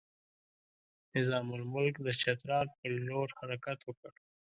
نظام الملک د چترال پر لور حرکت وکړ.